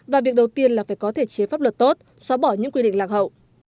và việc đầu tiên là phải có thể chế pháp luật tốt xóa bỏ những quy định lạc hậu